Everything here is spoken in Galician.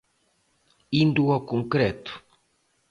Indo ao concreto.